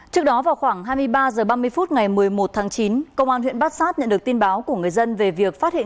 trước đó vào khoảng hai mươi ba h ba mươi phút ngày một mươi một tháng chín công an huyện bát sát nhận được tin báo của người dân về việc phát hiện